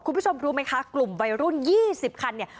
คุณผู้ชมรู้ไหมคะกลุ่มวัยรุ่น๒๐คันเนี่ย